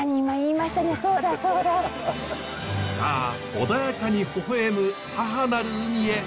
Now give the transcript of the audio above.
さあ穏やかにほほ笑む母なる海へ出港です。